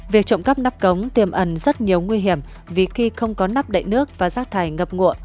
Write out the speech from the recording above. việc trộm cắp nắp cống tiềm ẩn rất nhiều nguy hiểm vì khi không có nắp đậy nước và rác thải ngập ngụa